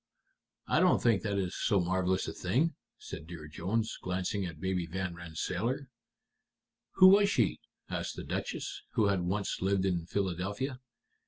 "I don't think that is so marvelous a thing," said Dear Jones, glancing at Baby Van Rensselaer. "Who was she?" asked the Duchess, who had once lived in Philadelphia.